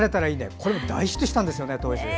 これ大ヒットしたんですよね